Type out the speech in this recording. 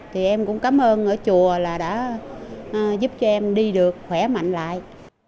thì em cũng cảm ơn ở chùa là đã giúp cho em đi được khỏe mạnh lại